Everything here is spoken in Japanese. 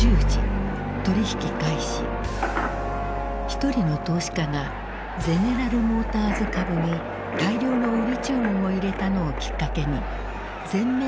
一人の投資家がゼネラル・モーターズ株に大量の売り注文を入れたのをきっかけに全面売りの展開となる。